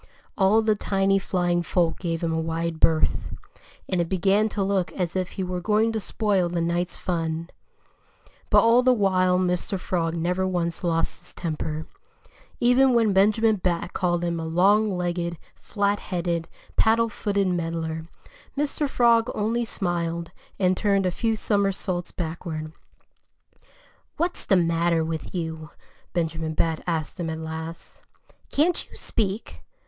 All the tiny flying folk gave him a wide berth. And it began to look as if he were going to spoil the night's fun. But all the while Mr. Frog never once lost his temper. Even when Benjamin Bat called him a long legged, flat headed, paddle footed meddler, Mr. Frog only smiled and turned a few somersaults backward. "What's the matter with you?" Benjamin Bat asked him at last. "Can't you speak?"